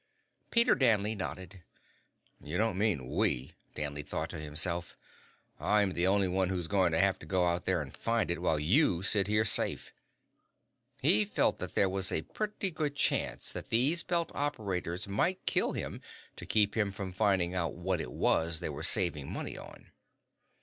Peter Danley nodded. You don't mean "we," Danley thought to himself. I am the one who's going to have to go out there and find it, while you sit here safe. He felt that there was a pretty good chance that these Belt operators might kill him to keep him from finding out what it was they were saving money on.